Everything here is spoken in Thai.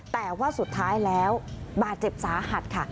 แต่ว่าสุดท้ายแล้วบาดเจ็บสาหัสค่ะ